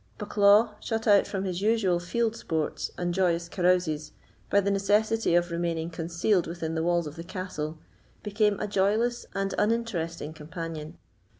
Bucklaw, shut out from his usual field sports and joyous carouses by the necessity of remaining concealed within the walls of the castle, became a joyless and uninteresting companion.